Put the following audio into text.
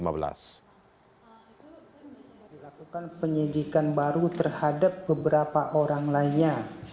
dilakukan penyidikan baru terhadap beberapa orang lainnya